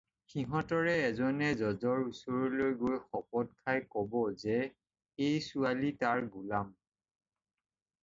সিহঁতৰে এজনে জজৰ ওচৰলৈ গৈ শপত খাই ক'ব যে, এই ছোৱালী তাৰ গোলাম।